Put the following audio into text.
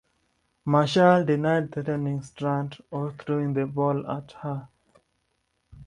Marshall denied threatening Strand or throwing the ball at her.